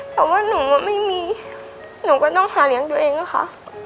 แต่ว่าหนูไม่มีหนูก็ต้องหาเลี้ยงตัวเองค่ะ